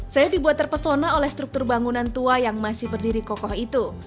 saya dibuat terpesona oleh struktur bangunan tua yang masih berdiri kokoh itu